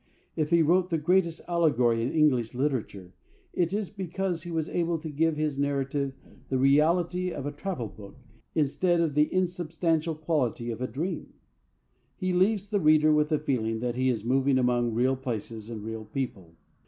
If he wrote the greatest allegory in English literature, it is because he was able to give his narrative the reality of a travel book instead of the insubstantial quality of a dream. He leaves the reader with the feeling that he is moving among real places and real people.